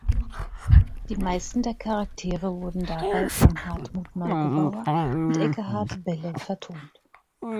Die meisten der Charaktere wurden dabei von Hartmut Neugebauer und Ekkehardt Belle vertont.